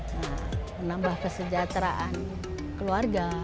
nah menambah kesejahteraan keluarga